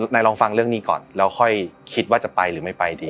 ลองฟังเรื่องนี้ก่อนแล้วค่อยคิดว่าจะไปหรือไม่ไปดี